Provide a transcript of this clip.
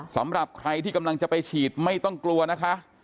สำหรับใครที่กำลังจะไปฉีดไม่ต้องกลัวนะคะ